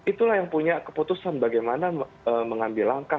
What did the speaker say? itulah yang punya keputusan bagaimana mengambil langkah